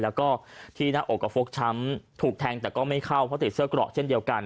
แล้วก็ที่หน้าอกก็ฟกช้ำถูกแทงแต่ก็ไม่เข้าเพราะติดเสื้อกรอกเช่นเดียวกัน